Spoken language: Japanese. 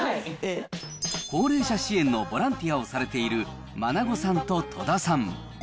高齢者支援のボランティアをされてる眞子さんと戸田さん。